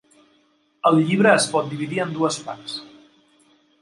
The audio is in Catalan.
El llibre es pot dividir en dues parts.